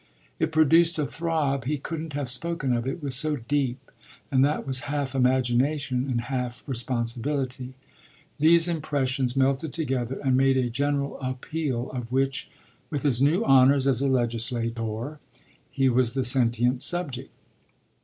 It produced a throb he couldn't have spoken of, it was so deep, and that was half imagination and half responsibility. These impressions melted together and made a general appeal, of which, with his new honours as a legislator, he was the sentient subject.